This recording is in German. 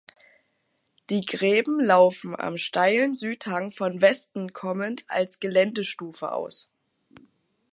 Die Gräben laufen am steilen Südhang von Westen kommend als Geländestufe aus.